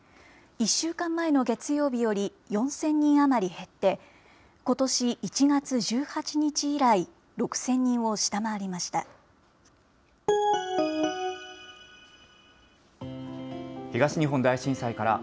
１週間前の月曜日より、４０００人余り減って、ことし１月１８日以来、６０００人を下回りました。